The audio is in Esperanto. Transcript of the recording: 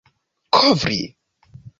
kovri